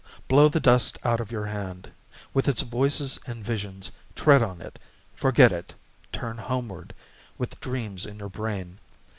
Blow the dust out of your hand, With its voices and visions, tread on it, forget it, turn homeward With dreams in your brain....